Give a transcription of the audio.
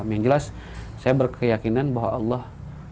yang jelas saya berkeyakinan bahwa allah